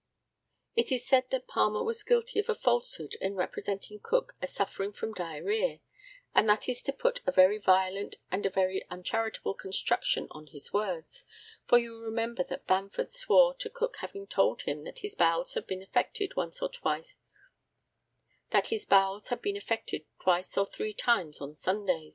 It is said that Palmer was guilty of a falsehood in representing Cook as suffering from diarrhœa; but that is to put a very violent and a very uncharitable construction on his words, for you will remember that Bamford swore to Cook having told him that his bowels had been affected twice or three times on Sunday.